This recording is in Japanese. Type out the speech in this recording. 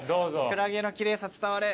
クラゲの奇麗さ伝われ。